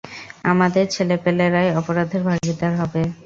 আমাদের ছেলেপেলেরাই অপরাধের ভাগীদার হবে।